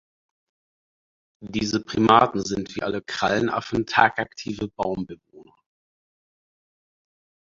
Diese Primaten sind wie alle Krallenaffen tagaktive Baumbewohner.